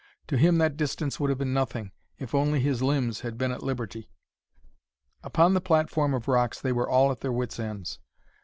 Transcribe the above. To him that distance would have been nothing, if only his limbs had been at liberty. Upon the platform of rocks they were all at their wits' ends.